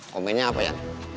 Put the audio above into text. komennya apa ya